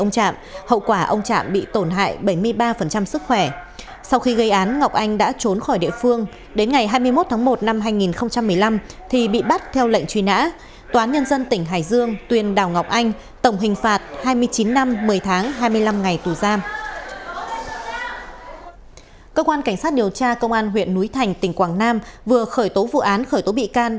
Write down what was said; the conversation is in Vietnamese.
cơ quan cảnh sát điều tra công an huyện núi thành tỉnh quảng nam vừa khởi tố vụ án khởi tố bị can